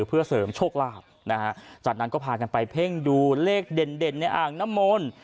เพื่อเสริมโชคลาภนะฮะจากนั้นก็พากันไปเพ่งดูเลขเด่นเด่นในอ่างน้ำมนต์